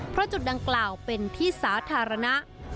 เพราะจุดดังกล่าวเป็นที่สาธารณะ